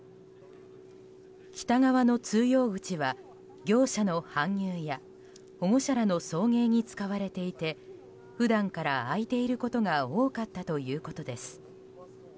北側の通用口は、業者の搬入や保護者らの送迎に使われていて普段から開いていることが多かったということです。